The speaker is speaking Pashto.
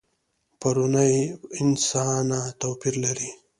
پروني انسانه توپیر لري.